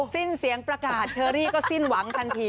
สิ้นเสียงประกาศเชอรี่ก็สิ้นหวังทันที